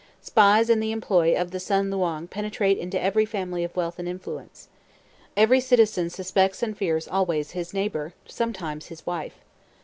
Spies in the employ of the San Luang penetrate into every family of wealth and influence. Every citizen suspects and fears always his neighbor, sometimes his wife.